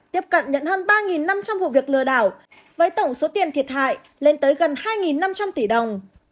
tiếp cận nhận hơn ba năm trăm linh vụ việc lừa đảo với tổng số tiền thiệt hại lên tới gần hai năm trăm linh tỷ đồng